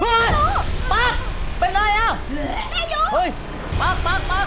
ใครอยู่ข้างนอกมาช่วยปั๊กหน่อยแล้ว